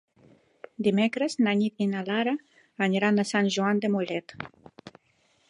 Dimecres na Nit i na Lara aniran a Sant Joan de Mollet.